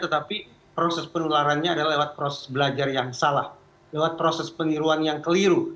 tetapi proses penularannya adalah lewat proses belajar yang salah lewat proses peniruan yang keliru